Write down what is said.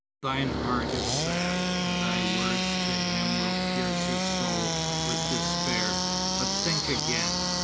Thine heart is sad; and thy words to him will pierce his soul with despair. But think again.